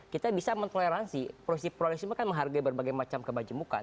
kita bisa mengklaransi proses progresi itu kan menghargai berbagai macam kebajimukan